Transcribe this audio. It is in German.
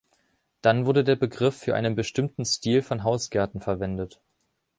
Dann wurde der Begriff für einen bestimmten Stil von Hausgärten verwendet.